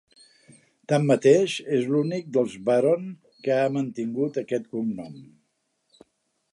Tanmateix, és l'únic dels Baron que ha mantingut aquest cognom.